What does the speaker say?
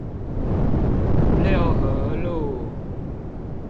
六合路